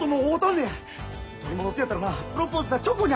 取り戻すんやったらなプロポーズした直後に話。